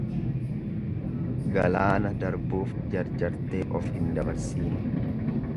Galaana darbuulf jarjartee of hin dabarsiin.